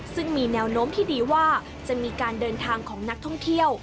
ซึ่งมีแนวโน้มที่ดีว่าจะมีการเดินทางของนักท่องเที่ยว